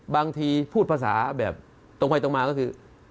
บางทีพูดภาษาแบบตรงไว้ตรงมาก็คือ